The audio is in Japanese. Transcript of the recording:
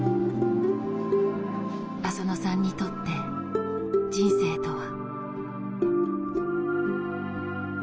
浅野さんにとって人生とは？